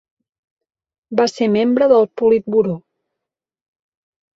Va ser membre del Politburó.